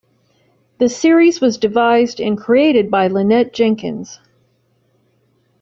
The series was devised and created by Lynnette Jenkins.